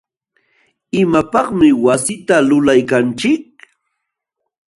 ¿imapaqmi wasita lulaykanchik?